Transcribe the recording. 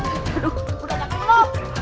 aduh udah kangen lho